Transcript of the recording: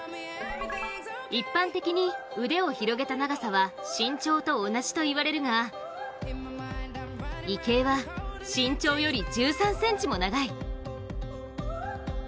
一般的に腕を広げた長さは身長と同じといわれるが、池江は身長より１３ｃｍも長い。